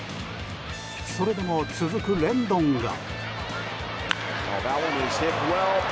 それでも続くレンドンが。